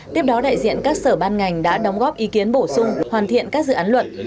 tiếp đó đại diện các sở ban ngành đã đóng góp ý kiến bổ sung hoàn thiện các dự án luật